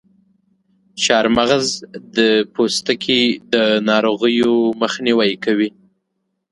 چارمغز د پوستکي د ناروغیو مخنیوی کوي.